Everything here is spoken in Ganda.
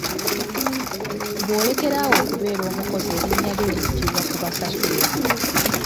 Bw'olekera awo okubeera omukozi erinnya lyo liggyibwa ku basasulwa.